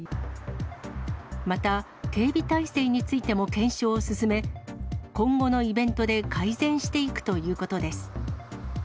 また、警備態勢についても検証を進め、今後のイベントで改善していくということです。